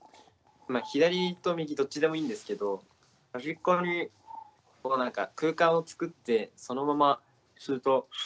左と右どっちでもいいんですけど端っこに空間を作ってそのまま吸うと。